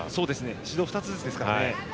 指導２つずつですからね。